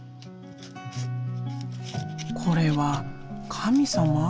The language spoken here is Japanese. これは神様？